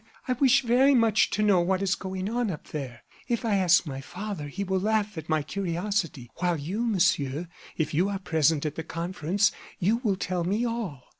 I wish very much to know what is going on up there. If I ask my father, he will laugh at my curiosity, while you, Monsieur, if you are present at the conference, you will tell me all."